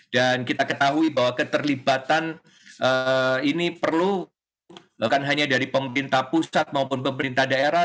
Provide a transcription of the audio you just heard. dan kita ketahui bahwa keterlibatan ini perlu bukan hanya dari pemerintah pusat maupun pemerintah daerah